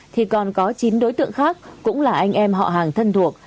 thì còn có chín đối tượng khác cũng là anh em họ hàng thân thuộc